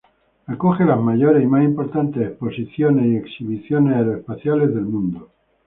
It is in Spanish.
Acoge las mayores y más importantes exposiciones y exhibiciones aeroespaciales del mundo.